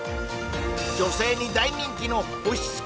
女性に大人気の保湿系